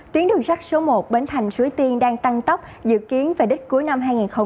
tuyến đường sắt số một bến thành suối tiên đang tăng tốc dự kiến về đích cuối năm hai nghìn hai mươi